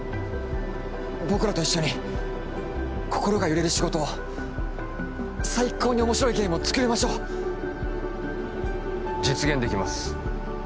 僕らと一緒に心が揺れる仕事を最高に面白いゲームを作りましょう実現できます